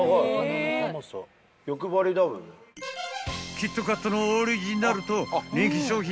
［キットカットのオリジナルと人気商品